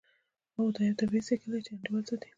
هو دا یو طبیعي سایکل دی چې انډول ساتي